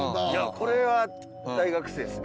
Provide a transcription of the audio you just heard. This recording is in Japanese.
これは大学生ですね。